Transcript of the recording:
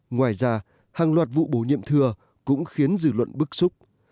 ngoài ra hàng loạt vụ bổ nhiệm thừa cũng khiến dự luận bức xúc